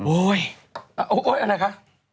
โอ๊ยโอ๊ยโอ๊ยอันนั้นค่ะ